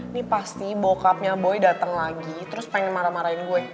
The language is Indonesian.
ini pasti bokapnya boy datang lagi terus pengen marah marahin gue